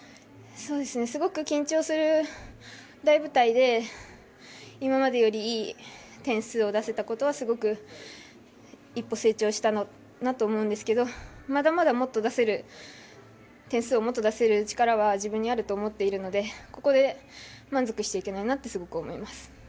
すごく緊張する大舞台で今までよりいい点数を出せたことは一歩成長したなと思うんですけどまだまだ点数をもっと出せる力は自分にあると思っているのでここで満足しちゃいけないなとすごく思います。